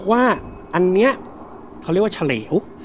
ว่าอันนี้เขาเรียกว่าเฉลว